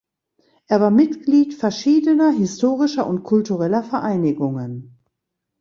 Er war Mitglied verschiedener historischer und kultureller Vereinigungen.